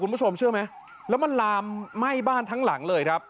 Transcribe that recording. แล้วมันลามไหม้บ้านทั้งหลังเลย